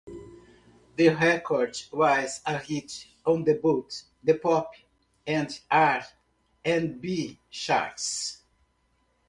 The record was a hit on both the pop and R and B charts.